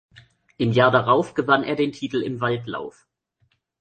Im Jahr darauf gewann er den Titel im Waldlauf.